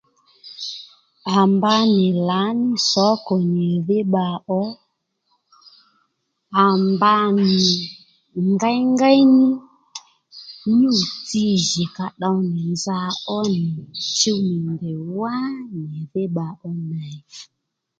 À mba nì lǎní sǒkò nyìdhí bba ó à mba nì ngéyngéy ní nyû-tsi jì ka tdow nì nza ó nì chuw nì ndèy wá nyìdhí bba ó ney